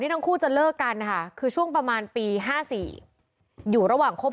ทั้งคู่จะเลิกกันนะคะคือช่วงประมาณปี๕๔อยู่ระหว่างคบ